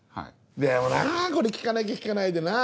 でもなぁこれ聞かなきゃ聞かないでなぁ！